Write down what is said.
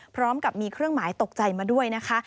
พร้อมกับมีเครื่องหมายตกใจมาด้วยนะคะ